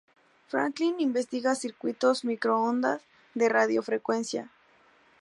Franklin investiga circuitos microondas de radiofrecuencia.